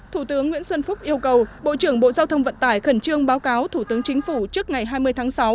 thủ tướng nguyễn xuân phúc yêu cầu bộ trưởng bộ giao thông vận tải khẩn trương báo cáo thủ tướng chính phủ trước ngày hai mươi tháng sáu